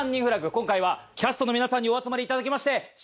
今回はキャストの皆さんにお集まりいただきまして。